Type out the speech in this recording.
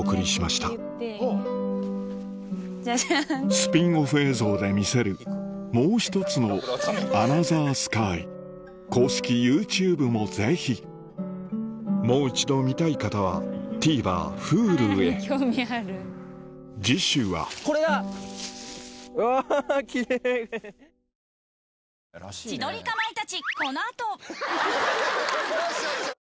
スピンオフ映像で見せるもう１つの『アナザースカイ』公式 ＹｏｕＴｕｂｅ もぜひもう一度見たい方は ＴＶｅｒＨｕｌｕ へ化粧水で十分だと思っていた